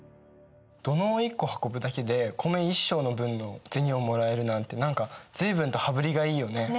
土のう１個運ぶだけで米１升の分の銭をもらえるなんて何か随分と羽振りがいいよね。